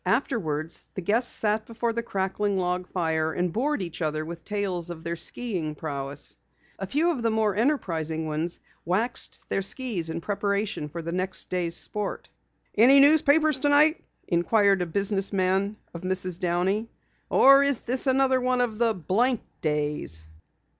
Afterwards, the guests sat before the crackling log fire and bored each other with tales of their skiing prowess. A few of the more enterprising ones waxed their skis in preparation for the next day's sport. "Any newspapers tonight?" inquired a business man of Mrs. Downey. "Or is this another one of the blank days?"